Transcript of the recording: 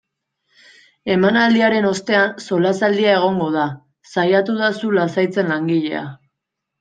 Emanaldiaren ostean solasaldia egongo da, saiatu da zu lasaitzen langilea.